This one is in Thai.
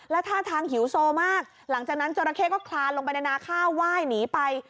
ท่าทางหิวโซมากหลังจากนั้นจราเข้ก็คลานลงไปในนาข้าวไหว้หนีไป